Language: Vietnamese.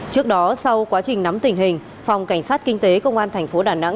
trước đó sau quá trình nắm tình hình phòng cảnh sát kinh tế công an tp đà nẵng